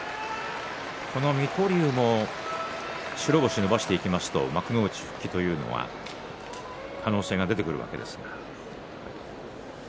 この水戸龍も白星を伸ばしていきますと幕内復帰というのが可能性が出てくるわけです。